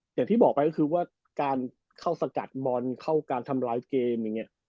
อย่างที่บอกไปคือว่าที่การเข้าสกัดบอลเข้าการทำร้ายเกม